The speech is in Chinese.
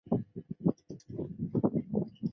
山西丙子乡试。